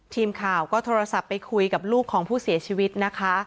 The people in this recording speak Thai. ทีมข่าวก็โทรศัพท์ไปคุยกับลูกของผู้เสียชีวิตนะคะ